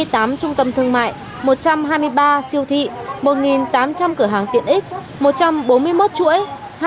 hai mươi tám trung tâm thương mại một trăm hai mươi ba siêu thị một tám trăm linh cửa hàng tiện ích một trăm bốn mươi một chuỗi